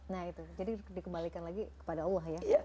nah itu jadi dikembalikan lagi kepada allah ya